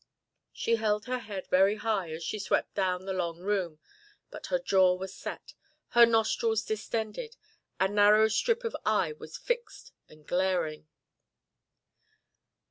She held her head very high as she swept down the long room, but her jaw was set, her nostrils distended, a narrow strip of eye was fixed and glaring.